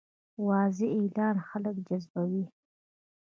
واضح اعلان خلک جذبوي.